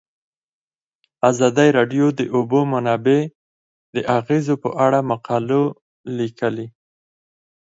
ازادي راډیو د د اوبو منابع د اغیزو په اړه مقالو لیکلي.